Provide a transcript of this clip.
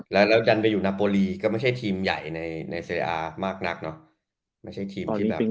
แล้วแล้วดันไปอยู่นาโปรีก็ไม่ใช่ทีมใหญ่ในในเซอามากนักเนอะไม่ใช่ทีมที่แบบ